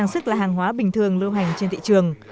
sức là hàng hóa bình thường lưu hành trên thị trường